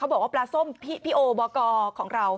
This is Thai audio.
บอกว่าปลาส้มพี่โอบอกกของเรา